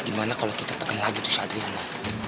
gimana kalo kita teken lagi tuh sadriana